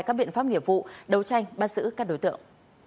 các biện pháp nghiệp vụ đấu tranh bắt giữ các đối tượng